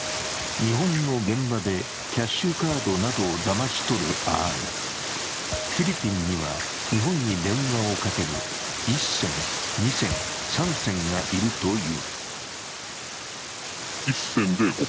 日本の現場でキャッシュカードなどをだまし取るＲ、フィリピンには、日本に電話をかける１線、２線、３線がいるという。